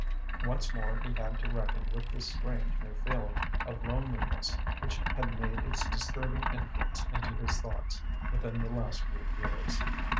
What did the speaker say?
Once more he had to reckon with this strange new feeling of loneliness which had made its disturbing entrance into his thoughts within the last few years.